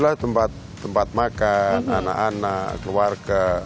ada tempat makan anak anak keluarga